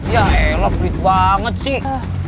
ya elok pelit banget sih